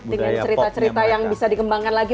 dengan cerita cerita yang bisa dikembangkan lagi